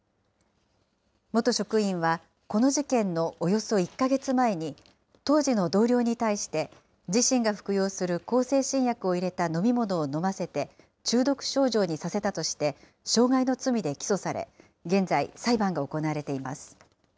元職員はこの事件のおよそ１か月前に、当時の同僚に対して、自身が服用する向精神薬を入れた飲み物を飲ませて中毒症状にさせたとして、傷害の罪で起訴され、現在、裁判が行われています。